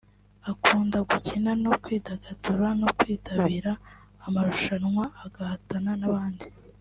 akunda gukina no kwidagadura no kwitabira amarushanwa agahatana n’abandi